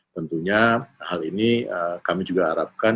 tentunya hal ini kami juga harapkan